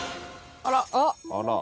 「あら！」